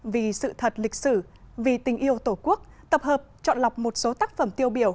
vì sự thật lịch sử vì tình yêu tổ quốc tập hợp chọn lọc một số tác phẩm tiêu biểu